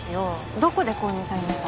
どこで購入されました？